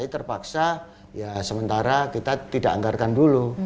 terpaksa ya sementara kita tidak anggarkan dulu